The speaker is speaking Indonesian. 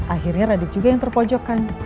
akhirnya radit juga yang terpojok kan